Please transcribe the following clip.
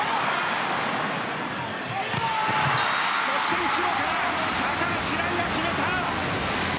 そして、後ろから高橋藍が決めた。